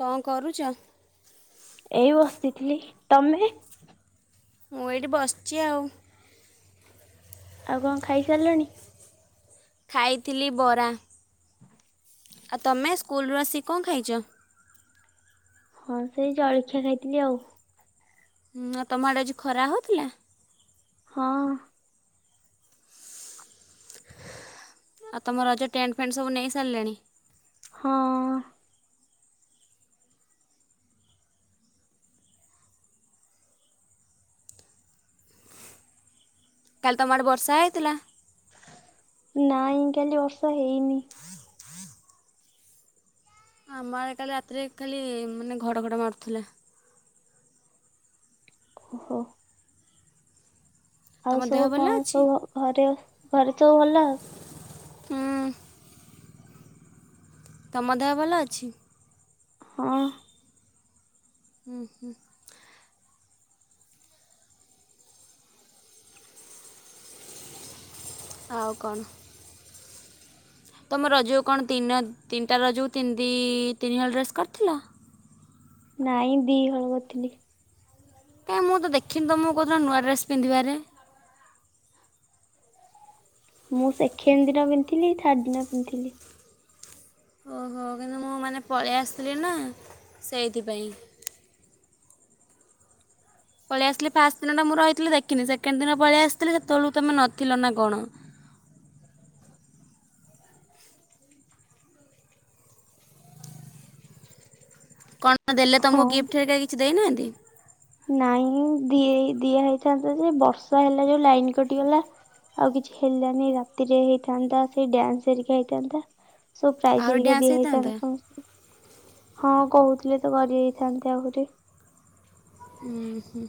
କଣ କରୁଚ? ଏଇ ବସିଥିଲି ତମେ? ମୁଁ ଏଇଠି ବସିଚି ଆଉ। ଆଉ କଣ ଖାଇସାରିଲଣି? ଖାଇଥିଲି ବରା। ଆଉ ତମେ ସ୍କୁଲୁ ରୁ ଆସିିକି କଣ ଖାଇଚ? ହଁ ସେଇ ଜଳଖିଆ ଖାଇଥିଲି ଆଉ। ହଁ ତମ ଆଡେ ଅଜି ଖରା ହଉଥିଲା? ହଁ। ଆଉ ତମ ରଜ ଟେଣ୍ଟ ଫେଣ୍ଟ ସବୁ ନେଇ ସାରିଲେଣି? ହଁ। କାଲି ତମ ଆଡ଼େ ବର୍ଷା ହେଇଥିଲା? ନାଇଁ କାଲି ବର୍ଷା ହେଇନି। ଆମ ଆଡେ କାଲି ରାତିରେ ଖାଲି ମାନେ ଘଡ ଘଡ ମାରୁଥିଲା। ଓ ହୋ। ତମ ଆଉ ଦେହ ସବୁ ଭଲ କଣ ଅଛି ସବୁ ଘରେ ଘରେ ସବୁ ଭଲ? ହୁଁ। ତମ ଦେହ ଭଲ ଅଛି। ହଁ। ହୁଁ ହୁଁ। ଆଉ କଣ। ତୁମେ ରଜକୁ କଣ ତିନି ତିନିଟା ରଜୁକୁ ତିନି ଦି ତିନିହଳ ଡ୍ରେସ୍ କରିଥିଲ? ନାଇଁ ଦିହଳ କରିଥିଲି। କାଇଁ ମୁଁ ତ ଦେଖିନି ତମକୁ କୋଉଦିନ ନୂଆ ଡ୍ରେସ୍ ପିନ୍ଧିବାରେ? ମୁଁ ସେକେଣ୍ଡ ଦିନ ପିନ୍ଧଥିଲି ଥାର୍ଡ ଦିନ ପିନ୍ଧଥିଲି। ଓହୋ କିନ୍ତୁ ମୁଁ ମାନେ ପଳେଇ ଆସିଲି ନା ସେଇଥିପାଇଁ। ପଳେଇ ଆସିଲି ଫାଷ୍ଟ ଦିନଟା ମୁଁ ରହିଥିଲି ଦେଖିନି ସେକେଣ୍ଡ ଦିନ ପଳେଇ ଆସିଥିଲି ସେତେବେଳ ତୁମେ ନଥିଲ ନା କଣ। କଣ ଦେଲେ ହଁ। ତମକୁ ଗିଫ୍ଟ ହେରିକା କିଛି ଦେଇନାହାନ୍ତି? ନାଇଁ ଦି ଦିଆ ହେଇଥାନ୍ତା ଯେ ବର୍ଷା ହେଲା ଯୋଉ ଲାଇନ କଟିଗଲା। ଆଉ କିଛି ହେଲାନି ରାତିରେ ହେଇଥାନ୍ତା ସେଇ ଡାନ୍ସ ହାରିକ ହେଇଥାନ୍ତା। ସବୁ ପ୍ରାଇଜ ଆହୁରି ହେରିକା ଡ୍ୟାନ୍ସ ଦିଆ ହେଇଥାନ୍ତା ସମସ୍ତ ହଁ କହୁଥିଲେ ତ କରି ହେଇଥାନ୍ତେ ଆହୁରି। ଉୁଁ ହୁଁ।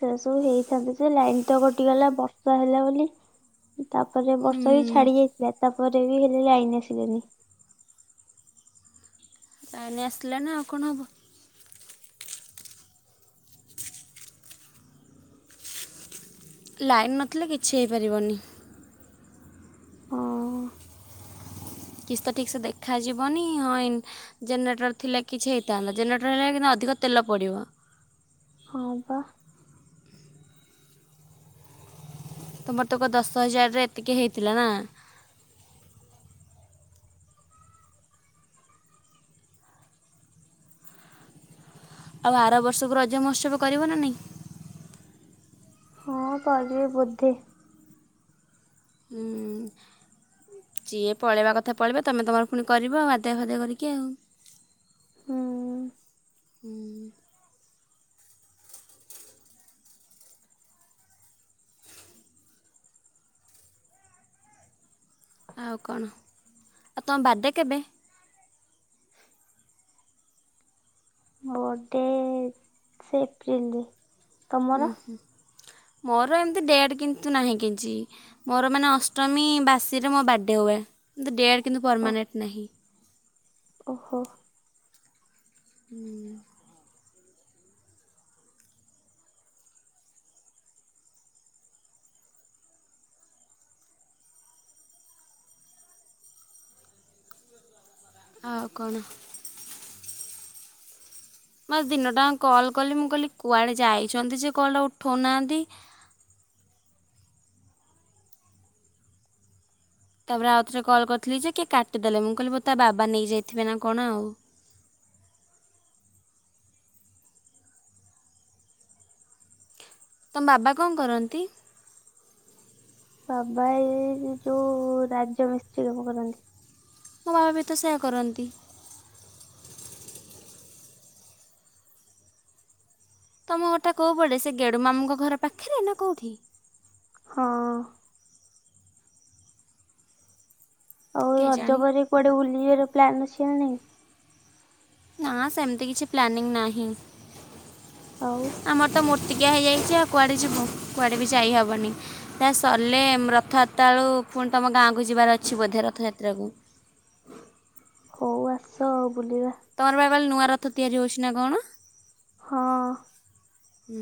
ସେ ସବୁ ହେଇଥାନ୍ତେ ସେ ଲାଇନ ତ କଟିଗଲା ବର୍ଷା ହେଲା ବୋଲି। ତାପରେ ବର୍ଷା ବି ହୁଁ ଛାଡି ଯାଇଥିଲା ତାପରେ ବି ହେଲେ ଲାଇନି ଆସିଲାନି। ଲାଇନି ଆସିଲାନି ଆଉ କଣ ହେବ। ଲାଇନ୍ ନଥିଲେ କିଛି ହେଇପାରିବନି। ହଁ। କିଛି ତ ଠିକ୍ ସେ ଦେଖାଯିବନି ଆଉ ଇ ଜେନେରେଟର ଥିଲେ କିଛି ହେଇଥାନ୍ତା ଜେନେରେଟର ହେଲେ କିନି ଅଧିକ ତେଲ ପଡ଼ିବ। ହଁ ପା। ତୁମର ତକ ଦଶ ହଜାରରେ ଏତିକି ହେଇଥିଲା ନା। ଆଉ ଆର ବର୍ଷକୁ ରଜମହୋତ୍ସବ କରିବ ନା ନାହିଁ? ହଁ କରିବେ ବୋଧେ। ହୁଁ। ଯିଏ ପଳେଇବା କଥା ପଳେଇବେ ତମେ ତମର ପୁଣି କରିବ ଆଦାୟ ଫାଦାୟ କରିକି ଆଉ। ହଁ। ହୁଁ। ଆଉ କଣ, ଆଉ ତମ ବାଡେ କେବେ? ମୋ ବଡେ ସେ ଏପ୍ରିଲରେ। ଉ ତମର ହୁଁ ମୋର ଏମିତି ଡେଟ୍ କିନ୍ତୁ ନାହିଁ କିଛି। ମୋର ମାନେ ଅଷ୍ଟମୀ ବାସିରେ ମୋ ବାଡ଼େ ହୁଏ। କିନ୍ତୁ ଡେଟ୍ କିନ୍ତୁ ଓ ପରମାନେଣ୍ଟ୍ ନାହିଁ। ଓହୋ। ହୁଁ। ଆଉ କଣ? ମୁ ଆ ଦିନଟାଙ୍କ କଲ୍ କଲି ମୁଁ କହିଲି କୁଆଡ଼େ ଯାଇଛନ୍ତି ସେ କଲ୍ ଟା ଉଠାଉନାହାଁନ୍ତି। ତାପରେ ଆଉ ଥରେ କଲ୍ କରିଥିଲି ଯେ କିଏ କାଟିଦେଲେ ମୁଁ କହିଲି ତା ବାବା ନେଇଯାଇଥିବେ ନା କଣ ଆଉ। ତମ ବାବା କଣ କରନ୍ତି? ବାବା ଏଇ ଯୋଉ ରାଜ ମିସ୍ତ୍ରୀ କାମ କରନ୍ତି। ମୋ ବାବା ବି ତ ସେୟା କରନ୍ତି। ତୁମ ଘରଟା କୋଉ ପଟେ ସେ ଗେଡ଼ୁ ମାମୁଙ୍କ ଘର ପାଖରେ ନା କୋଉଠି? ହଁ। ଆଉ ରଜ କେଜାଣି ପରେ କୁଆଡେ ବୁଲିଯିବାର ପ୍ଲାନ୍ ଅଛି ନା ନାଇଁ? ନା ସେମିତି କିଛି ପ୍ଲାନିଂ ନାହିଁ ଆଉ ଆମର ତ ମୋ ତିକିଆ ହେଇଯାଇଛି ଆଉ କୁଆଡ଼େ ଯିବୁ? କୁଆଡ଼େ ବି ଯାଇହବନି। ଦେଖା ସରିଲେ ରଥଯାତ୍ରା ବେଳକୁ ପୁଣି ତମ ଗାଁକୁ ଯିବାର ଅଛି ବୋଧେ ରଥଯାତ୍ରା କୁ। ହଉ ଆସ ଆଉ ବୁଲିବା। ତମର ପା କାଲି ନୂଆ ରଥ ତିଆରି ହେଉଛି ନା କଣ? ହଁ। ହଁ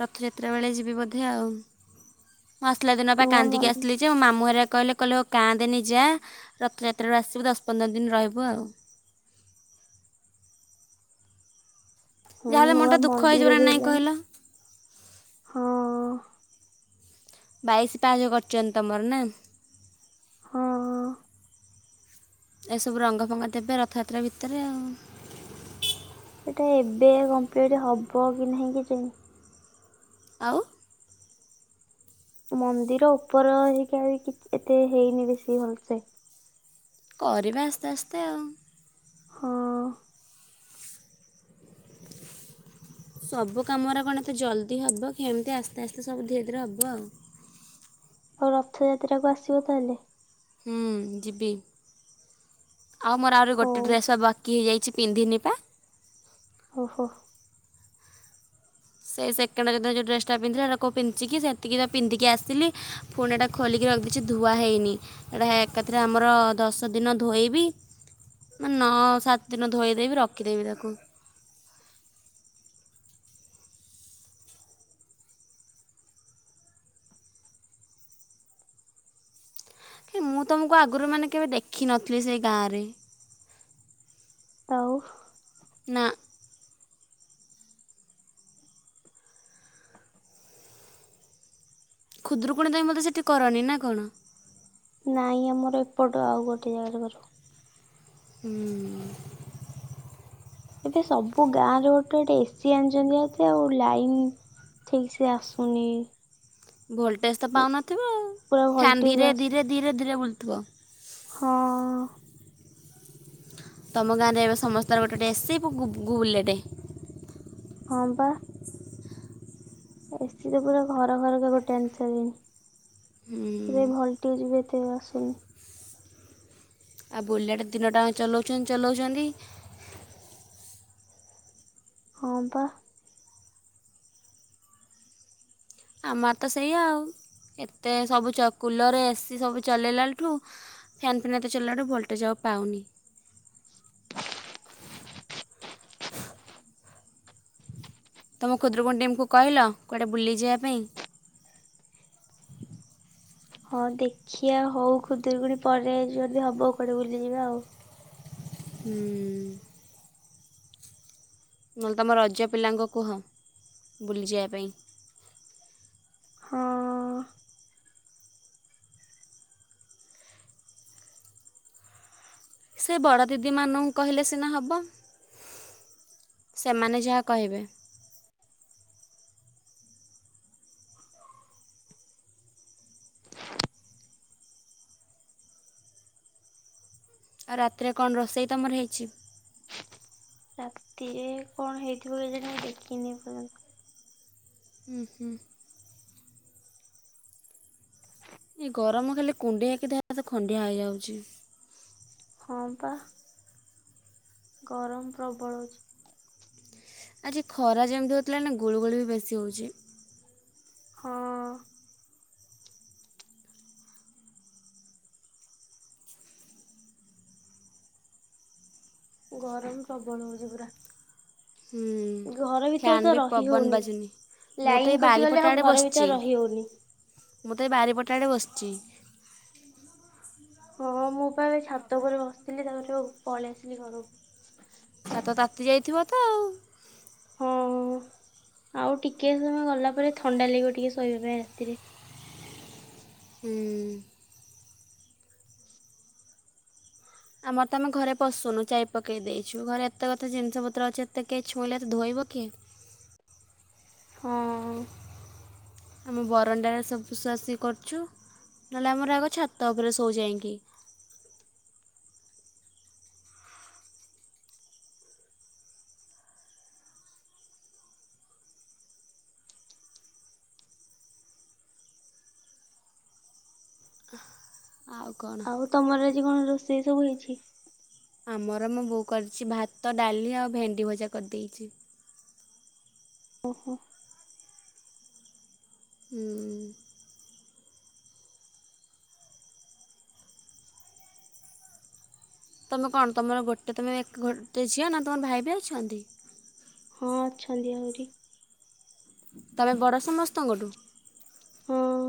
ରଥଯାତ୍ରା ବେଳେ ଯିବି ବୋଧେ ଆଉ। ମୁଁ ଆସିଲା ଦିନପା ନୂଆ କାନ୍ଦିକି ମନ ଆସିଥିଲି ଯେ ମାମୁଁ ହେରିକା କହିଲେ କହିଲେ ହଉ କାନ୍ଦେନି ଯା ରଥଯାତ୍ରାରେ ଆସିବୁ ଦଶ ପନ୍ଦର ଦିନ ରହିବୁ ଆଉ। କଣ ଯାହାହେଲେ ମନଟା ନୂଆ ଦୁଃଖ ହେଇଯିବ ମନ୍ଦିର ନା ବି ନାହିଁ ହେଲାଣି କହିଲ ହଁ। ବାଇଶ୍ ପାହାଚ୍ କରିଚନ୍ତି ତମର ନା? ହଁ! ଏସବୁ ରଙ୍ଗ ଫଙ୍ଗ ଦେବେ ରଥଯାତ୍ରା ଭିତରେ ଆଉ। ସେଇଟା ଏବେ କଂପ୍ଲିଟ ହବ କି ନାହିଁ କେଜାଣି। ଆଉ। ମନ୍ଦିର ଉପର ହେଇକି [unintelligible] ଏତେ ହେଇନି ବେଶୀ ଭଲ୍ସେ। କରିବା ଆସ୍ତେ ଆସ୍ତେ ଆଉ। ହଁ! [unintelligible] ସବୁ କାମରା କଣ ତ ଜଲ୍ଦି ହବ କି ଏମିତି ଆସ୍ତେ ଆସ୍ତେ ସବୁ ଧୀରେ ଧୀରେ ହବ ଆଉ। ହଉ ରଥଯାତ୍ରାକୁ ଆସିବ ତାହେଲେ। ହୁଁ ଯିବି ଆଉ ମୋର ଆହୁରି ହଉ ଗୋଟେ ଡ୍ରେସ୍ [unintelligible] କି ହେଇଯାଇଚି ପିନ୍ଧିନି ପା। ଓହୋ। ସେ ସେକେଣ୍ଡରେ ଯଦା ଯଉ ଡ୍ରେସଟା ପିନ୍ଧିଚି ହେରା କଉ ପନ୍ଧିଚି କି ସେତିକି ଯା ପିନ୍ଧିକି ଆସିଲି। ଫୁଣି ଏଟା ଖୋଲିକି ରଖିଛି ଧୁଆ ହଇନି। ଏଟା ଏକାଥରେ ଆମର ଦଶ ଦିନ ଧୋଇବି। ମାନେ ନଅ ସାତ ଦିନ ଧୋଇଦେବି ରଖିଦେବି ତାକୁ। ମୁଁ ତୁମକୁ ଆଗରୁ ମାନେ କେବେ ଦେଖିନଥିଲି ସେ ଗାଁରେ। ଆଉ। ନା। ଖୁଦୁରୁକୁଣୀ ତମେ ବୋଧେ ସେଠି କରନି ନା କଣ? ନାଇଁ ଆମର ଏପଟ ଆଉ ଗୋଟେ ଜାଗାରେ କରୁ। ହୁଁ! ଏବେ ସବୁ ଗାଁରେ ଗୋଟେ ଗୋଟେ ଏସି ଆଣିଚନ୍ତି ଆଉ ଆଉ ଲାଇନ୍ ଠିକ୍ ସେ ଆସୁନି। ଭୋଲ୍ଟେଜ୍ ତ ପାଉନଥିବ ପୁରା ଫ୍ୟାନ୍ ଭଲଟେଜ ଧୀରେ ଆସୁନି ଧୀରେ ଧୀରେ ଧୀରେ ବୁଲୁଥିବ। ହଁ! ତମ ଗାଁରେ ଏବେ ସମସ୍ତଙ୍କ ଗୋଟେ ଗଟେ ଏସି ବୁ-ବୁ-ବୁଲେଟେ। ହଁ ବା। ଏସି ତ ପୁରା ଘର ଘର କେ ଗୋଟେ ହୁଁ [unintelligible] [unintelligible] [unintelligible] ଆସୁନି। ଆଉ ବୁଲେଟ୍ ଦିନ ଟାଙ୍କ ଚଲାଉଚନ୍ତି ଚଲାଉଚନ୍ତି। ହଁ ବା। ଆମ ଆଡେ ତ ସେଇଆ ଆଉ ଏତେ ସବୁ ଚକ୍ କୁଲର, ଏସିି ସବୁ ଚଲେଇଲାଠୁ। ଫ୍ୟାନ୍ ଫେନ୍ ଏତେ ଚଲେଇବାରୁ ଭୋଲ୍ଟେଜ ଆଉ ପାଉନି। ତମ ଖୁଦୁରୁକୁୁଣୀ ଟିମ୍କୁ କହିଲ କୁଆଡ଼େ ବୁଲିଯିବା ପାଇଁ? ହଁ ଦେଖିଆ ହଉ ଖୁଦୁରୁକୁଣୀ ପରେ ଯଦି ହବ କୁଆଡେ ବୁଲିଯିବା ଆଉ। ହୁଁ! ନହେଲେ ତମ ରଜ ପିଲାଙ୍କୁ କୁହ ବୁଲିଯିବା ପାଇଁ। ହଁ! ସେ ବଡ଼ ଦିଦିମାନଙ୍କୁ କହିଲେ ସିନା ହବ। ସେମାନେ ଯାହା କହିବେ। ଆଉ ରାତିରେ କଣ ରୋଷେଇ ତମର ହେଇଛି? ରାତିରେ କଣ ହେଇଥିବ କେଜାଣି ମୁଁ ଦେଖିନି ଏ ପର୍ଯ୍ୟନ୍ତ। ହୁଁ ହୁଁ।। ଏ ଗରମ ଖାଲି କୁଣ୍ଡେଇକି ଦେହ ହାତ ଖଣ୍ଡିଆ ହେଇଯାଉଛି। ହଁ ପା। ଗରମ ପ୍ରବଳ ହଉଛି। ଆଜି ଖରା ଯେମିତି ହଉଥିଲା ନା ଗୁଳୁ ଗୁଳି ବି ବେଶୀ ହଉଛି। ହଁ। ଗରମ ପ୍ରବଳ ହଉଛି ପୁରା। ହୁଁ ଘର ଭିତରେ ଫ୍ୟନ୍ ତ ବି ରହି ପବନ ହଉନି ବାଜୁନି। ମୁଁ ତ ଏ ଲାଇନ କଟିଗଲେ ଆଉ ବାରିପଟାଡ଼େ ଘର ବସିଛି ଭିତରେ ରହି ହଉନି ମୁଁ ତ ଏ ବାରିପଟାଡ଼େ ବସିଛି। ହଁ ମୁଁ ବା ଏ ଛାତ ଘରେ ବସିଥିଲି ତାପରେ ପଳେଇ ଆସିଲି ଘରକୁ। ଛାତ ତାତି ଯାଇଥିବ ତ ଆଉ। ହଁ ଆଉ ଟିକେ ସମୟ ଗଲା ପରେ ଥଣ୍ଡା ଲାଗିବ ଟିକେ ଶୋଇବା ପାଇଁ ରାତିରେ। ହୁଁ। ଆମର ତ ଆମେ ଘରେ ପଶୁନୁ ଚାବି ପକେଇ ଦେଇଛୁ ଘରେ ଏତେ କଥା ଜିନିଷ ପତ୍ର ଅଛି ଏତେ କେହି ଛୁଇଁଲେ ଧୋଇବ କିଏ। ହଁ। ଆମ ବରଣ୍ଡାରେ ସବୁଶୁଆସୋଇ କରୁଛୁ ନହେଲେ ଆମର ଆଗ ଛାତ ଉପରେ ଶୋଉ ଯାଇଁକି। ଆଉ କ'ଣ ଆଉ ତମର ଆଜି କଣ ରୋଷେଇ ସବୁ ହେଇଛି? ଆମର ମୋ ବୋଉ କରିଛି ଭାତ ଡାଲି ଆଉ ଭେଣ୍ଡି ଭଜା କରିଦେଇଛି। ଓହୋ। ହୁଁ। ତୁମେ କଣ ତୁମର ଗୋଟେ ତୁମେ ଏକ ଗୋଟେ ଝିଅ ନା ତମର ଭାଇ ବି ଅଛନ୍ତି? ହଁ ଅଛନ୍ତି ଆହୁରି। ତମେ ବଡ ସମସ୍ତଙ୍କଠୁ? ହଁ।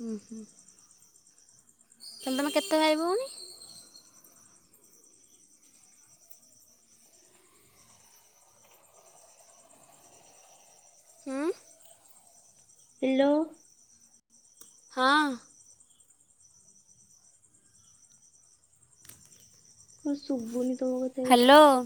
ହୁଁ ହୁଁ। ତମେ [unintelligible] କେତେ ଭାଇ ଭଉଣୀ? ହ୍ୟାଲୋ। ହଁ। କଣ ଶୁଭୁନି ତମ କଥା କିଛି। ହ୍ୟାଲୋ